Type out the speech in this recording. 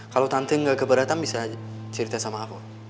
kalau tante gak keberatan bisa cerita sama aku